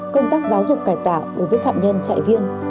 công tác giáo dục cải tạo đối với phạm nhân trại viên